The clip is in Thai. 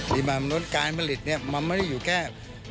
ดีมารนันร้นการผลิตนี่มันไม่ได้อยู่แค่